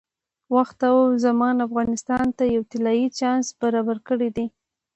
وخت او زمان افغانستان ته یو طلایي چانس برابر کړی دی.